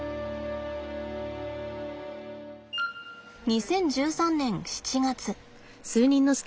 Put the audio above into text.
２０１３年７月。